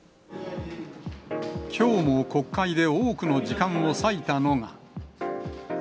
きょうも国会で多くの時間を割いたのが。